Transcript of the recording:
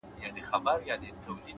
د حقیقت درناوی اعتماد زیاتوي،